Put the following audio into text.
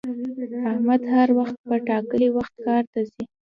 احمد هر وخت په ټاکلي وخت کار ته ځي